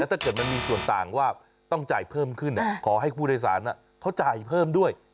ถ้าเกิดมันมีส่วนต่างว่าต้องจ่ายเพิ่มขึ้นขอให้ผู้โดยสารเขาจ่ายเพิ่มด้วย